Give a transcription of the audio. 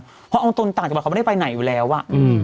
เพราะเอาตนต่างจังหวัดเขาไม่ได้ไปไหนอยู่แล้วอ่ะ